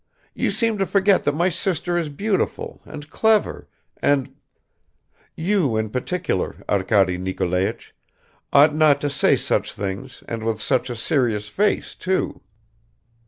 You seem to forget that my sister is beautiful and clever and ... you in particular, Arkady Nikolaich, ought not to say such things and with such a serious face too."